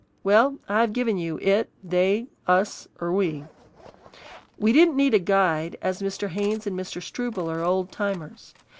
Well, I've given you it, they, us, or we. We didn't need a guide, as Mr. Haynes and Mr. Struble are old timers.